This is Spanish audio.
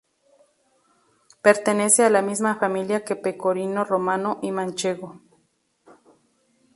Pertenece a la misma familia que Pecorino Romano y Manchego.